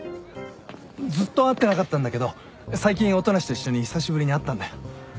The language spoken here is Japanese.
ずっと会ってなかったんだけど最近音無と一緒に久しぶりに会ったんだよ。